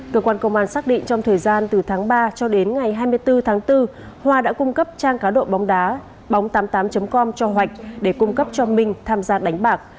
cơ quan công an xác định trong thời gian từ tháng ba cho đến ngày hai mươi bốn tháng bốn hoa đã cung cấp trang cá độ bóng đá bóng tám mươi tám com cho hoạch để cung cấp cho minh tham gia đánh bạc